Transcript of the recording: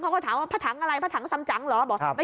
เขาก็ถามว่าภังอะไรภังส่ำจังหรอบอกไม่ใช่